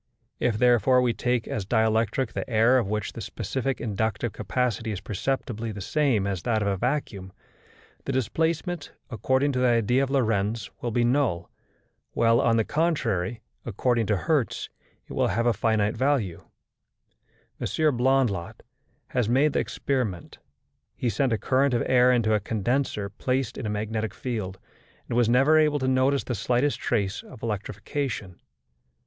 If therefore we take as dielectric the air of which the specific inductive capacity is perceptibly the same as that of a vacuum, the displacement, according to the idea of Lorentz, will be null; while, on the contrary, according to Hertz, it will have a finite value. M. Blondlot has made the experiment. He sent a current of air into a condenser placed in a magnetic field, and was never able to notice the slightest trace of electrification.